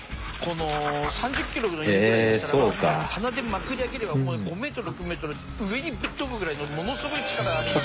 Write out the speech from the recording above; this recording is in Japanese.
３０キロの犬ぐらいでしたらばもう鼻でまくり上げれば５メートル６メートル上にぶっ飛ぶぐらいのものすごい力ありますから。